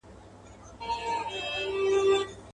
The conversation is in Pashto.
د دريو مياشتو پاچهي به مي په ښه وي.